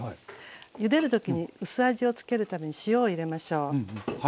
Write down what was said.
ゆでる時に薄味を付けるために塩を入れましょう。